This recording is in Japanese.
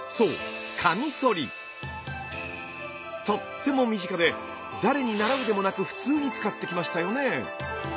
とっても身近で誰に習うでもなく普通に使ってきましたよね。